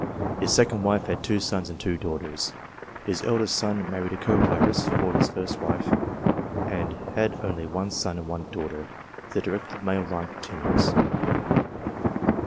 His second wife had two sons and two daughters. His eldest son married a co heiress for his first wife, and had only one son and one daughter. The direct male line continues.